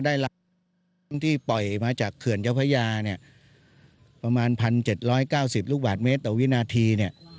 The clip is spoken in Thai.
ได้รับที่ปล่อยมาจากเขื่อนเจ้าพระยาเนี่ยประมาณ๑๗๙๐ลูกบาทเมตรต่อวินาทีเนี่ย